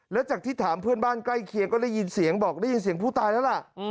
แล้วจากที่ถามเพื่อนบ้านใกล้เคียงก็ได้ยินเสียงบอกได้ยินเสียงผู้ตายแล้วล่ะ